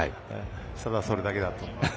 ただそれだけだと。